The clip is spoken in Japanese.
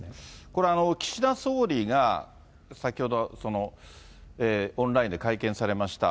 これ、岸田総理が先ほど、オンラインで会見されました。